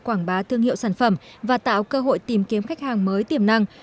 quảng bá thương hiệu sản phẩm và tạo cơ hội tìm kiếm khách hàng mới tiềm năng